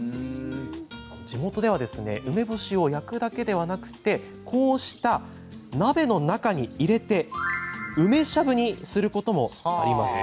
地元では梅干しを焼くだけではなくて鍋の中に入れて梅しゃぶにすることもあります。